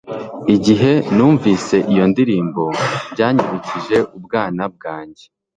Igihe numvise iyo ndirimbo byanyibukije ubwana bwanjye